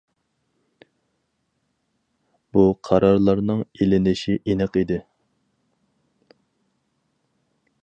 بۇ قارارلارنىڭ ئېلىنىشى ئېنىق ئىدى.